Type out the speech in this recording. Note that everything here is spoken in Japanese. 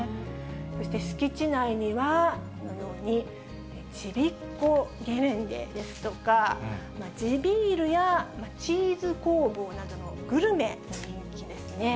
そして敷地内には、このように、ちびっ子ゲレンデですとか、地ビールやチーズ工房などのグルメが人気ですね。